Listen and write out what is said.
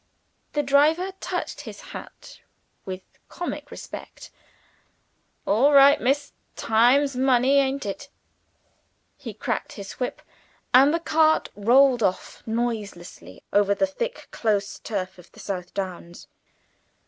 The driver touched his hat with comic respect. "All right, miss time's money, aint it?" He cracked his whip, and the cart rolled off noiselessly over the thick close turf of the South Downs.